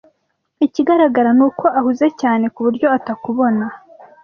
Ikigaragara ni uko ahuze cyane ku buryo atakubona.